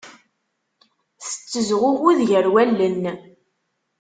Tettezɣuɣud gar wallen.